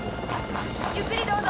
ゆっくりどうぞ。